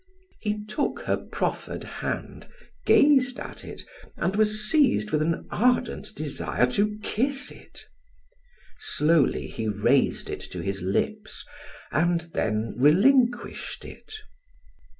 '" He took her proffered hand, gazed at it, and was seized with an ardent desire to kiss it. Slowly he raised it to his lips and then relinquished it.